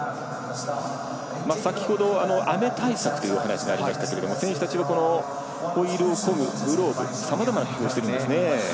先ほど雨対策というお話がありましたけれども選手たちはホイールをこぐグローブさまざまな工夫をしているんです。